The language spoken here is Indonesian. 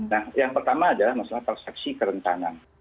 nah yang pertama adalah masalah persepsi kerentanan